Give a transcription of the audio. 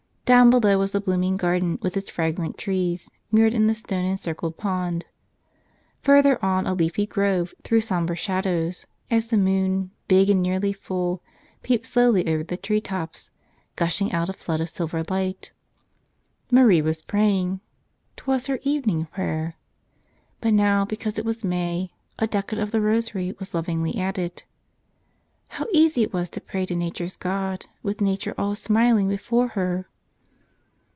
Down below was the blooming garden with its fra¬ grant trees mirrored in the stone encircled pond. Further on a leafy grove threw somber shadows, as the moon, big and nearly full, peeped slowly over the tree tops, gushing out a flood of silver light. Marie was praying. 'Twas her evening prayer. But now, because it was May, a decade of the rosary was lov¬ ingly added. How easy it was to pray to nature's God with nature all a smiling before her!